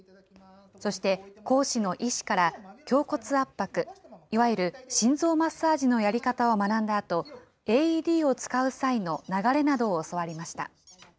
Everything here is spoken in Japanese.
そして講師の医師から胸骨圧迫、いわゆる心臓マッサージのやり方を学んだあと、ＡＥＤを使う際の流れなどを教わりました。